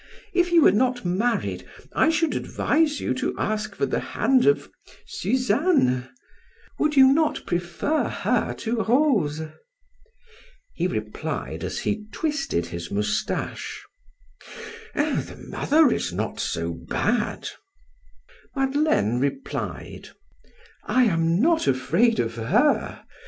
If you were not married I should advise you to ask for the hand of Suzanne would you not prefer her to Rose?" He replied as he twisted his mustache: "Eh! the mother is not so bad!" Madeleine replied: "I am not afraid of her.